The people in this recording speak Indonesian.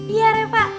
iya re pak